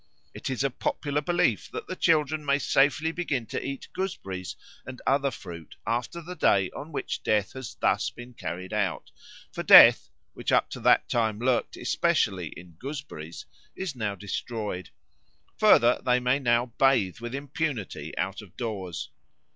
It is a popular belief that the children may safely begin to eat gooseberries and other fruit after the day on which Death has thus been carried out; for Death, which up to that time lurked especially in gooseberries, is now destroyed. Further, they may now bathe with impunity out of doors.